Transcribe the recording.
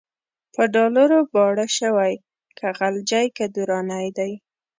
په ډالرو باړه شوی، که غلجی که درانی دی